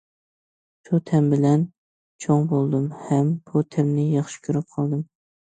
شۇ تەم بىلەن چوڭ بولدۇم ھەم بۇ تەمنى ياخشى كۆرۈپ قالدىم.